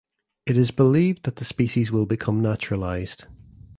It is believed that the species will become naturalized.